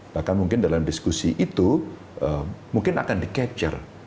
bahkan mungkin dalam diskusi itu mungkin akan di capture